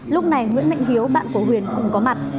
lúc này nguyễn mệnh hiếu bạn của huyền cũng có mặt